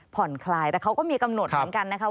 ผ่อนคลายแต่เขาก็มีกำหนดเหมือนกันนะคะ